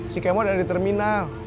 si kemo ada di terminal